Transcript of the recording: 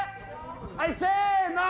はいせの！